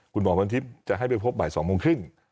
คุณหมอพรทิพย์จะให้ไปพบบ่ายสองโมงครึ่ง